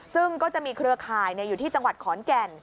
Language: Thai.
ซึ่งก็จะมีเครือข่ายอยู่ที่จังหวัดขอนแก่น